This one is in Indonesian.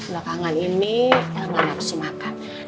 lekangan ini elma nafsu makan